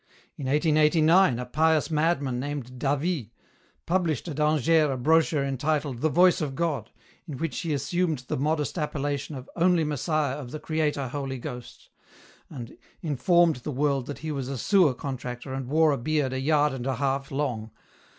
In 1889 a pious madman named David published at Angers a brochure entitled The Voice of God, in which he assumed the modest appellation of 'only Messiah of the Creator Holy Ghost,' and informed the world that he was a sewer contractor and wore a beard a yard and a half long.